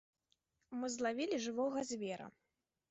Мы злавілі жывога звера.